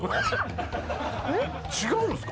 違うんですか？